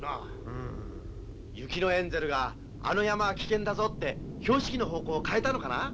うん雪のエンゼルがあの山は危険だぞって標識の方向を変えたのかな？